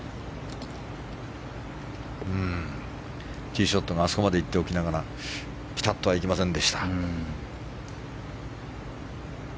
ティーショットがあそこまで行っておきながらピタッとは行きませんでした。